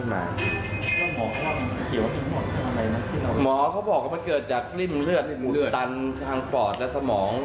หมอเขาบอกว่ามันเกิดจากริ่มเลือดตันทางปอดและสมอง